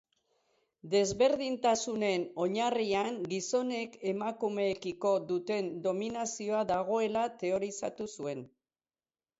Desberdintasunen oinarrian gizonek emakumeekiko duten dominazioa dagoela teorizatu zuen.